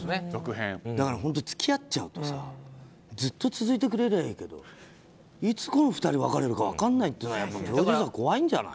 だから本当、付き合っちゃうとずっと続いてくれりゃいいけどいつ、この２人、別れるか分からないというのは怖いんじゃない？